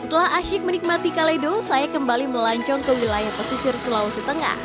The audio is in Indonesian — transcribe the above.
setelah asyik menikmati kaledo saya kembali melancong ke wilayah pesisir sulawesi tengah